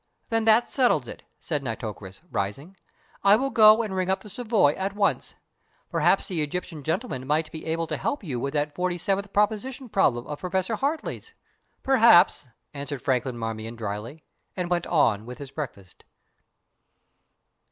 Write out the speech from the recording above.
"Then that settles it," said Nitocris, rising; "I will go and ring up the Savoy at once. Perhaps the Egyptian gentleman might be able to help you with that Forty Seventh Proposition problem of Professor Hartley's." "Perhaps," answered Franklin Marmion drily, and went on with his breakfast.